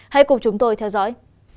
hãy cùng chúng tôi theo dõi